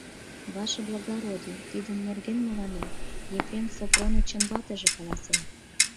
— Ваше благородий, тидын нерген мыланем Епрем Сопронычын ватыже каласен.